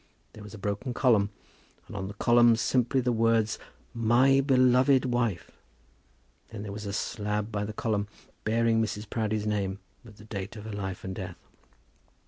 There was a broken column, and on the column simply the words, "My beloved wife!" Then there was a slab by the column, bearing Mrs. Proudie's name, with the date of her life and death.